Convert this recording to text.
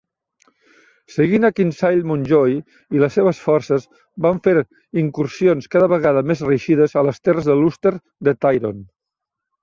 Seguint a Kinsale Mountjoy i les seves forces van fer incursions cada vegada més reeixides a les terres de l'Ulster de Tyrone.